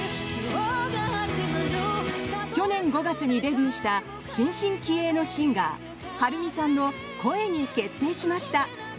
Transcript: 去年５月にデビューした新進気鋭のシンガー、遥海さんの「声」に決定しました。